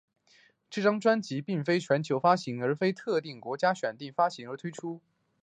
这张专辑并非全球发行而是选定特定国家发行推出。